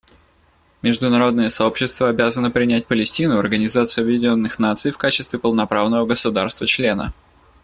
Международное сообщество обязано принять Палестину в Организацию Объединенных Наций в качестве полноправного государства-члена.